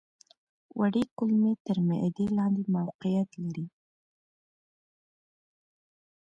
وړې کولمې تر معدې لاندې موقعیت لري.